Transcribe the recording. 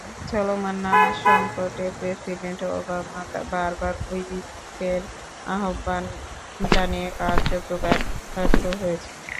চলমান নানা সংকটে প্রেসিডেন্ট ওবামা বারবার ঐক্যের আহ্বান জানিয়ে কার্যত ব্যর্থ হয়েছেন।